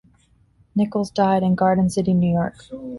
Nichols died in Garden City, New York.